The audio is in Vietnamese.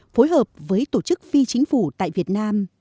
phối hợp với tổ chức phi chính phủ tại việt nam